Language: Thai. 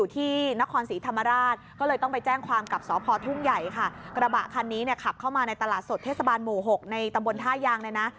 ตรงบนท่ายางเลยนะ